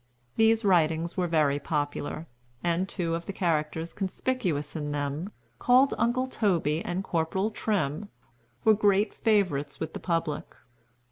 These writings were very popular, and two of the characters conspicuous in them, called Uncle Toby and Corporal Trim, were great favorites with the public.